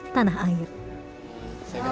dan juga dari tempat yang terbaik